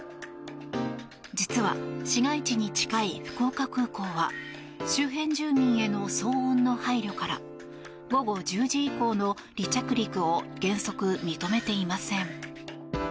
実は市街地に近い福岡空港は周辺住民への騒音の配慮から午後１０時以降の離着陸を原則、認めていません。